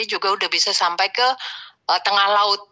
juga sudah bisa sampai ke tengah laut